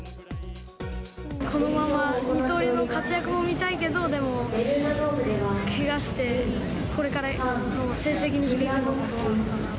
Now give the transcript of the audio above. このまま二刀流の活躍も見たいけど、でも、けがして、これからの成績に響くのもどうなのかなと。